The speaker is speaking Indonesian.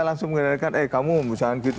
langsung mengatakan eh kamu misalnya gitu